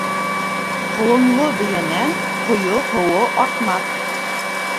Ҡолонло бейәнән ҡойо һыуы артмаҫ